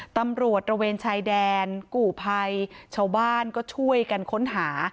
ตำรวจระเวนชายแดนกู่ภัยชาวบ้านก็ช่วยกันค้นหา